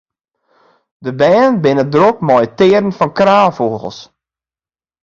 De bern binne drok mei it tearen fan kraanfûgels.